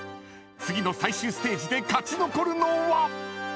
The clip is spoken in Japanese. ［次の最終ステージで勝ち残るのは⁉］